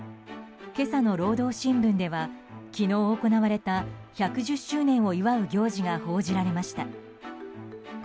今朝の労働新聞では昨日行われた１１０周年を祝う行事が報じられました。